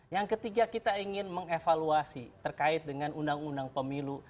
yang ketiga kita ingin mengevaluasi terkait dengan undang undang pemilu